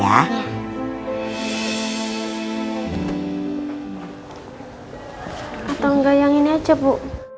atau enggak yang ini aja bu